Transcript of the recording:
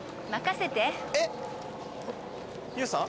えっ優さん？